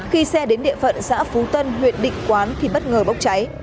khi xe đến địa phận xã phú tân huyện định quán thì bất ngờ bốc cháy